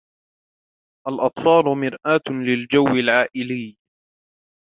الأطفال مرآة للجو العائلي.